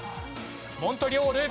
モントリオール。